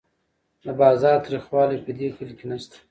د بازار تریخوالی په دې کلي کې نشته.